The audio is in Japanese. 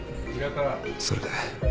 それで。